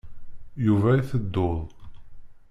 Yuba iteddu-d.